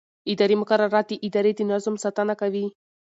اداري مقررات د ادارې د نظم ساتنه کوي.